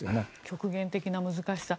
極限的な難しさ。